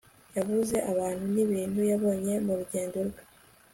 yavuze abantu nibintu yabonye mu rugendo rwe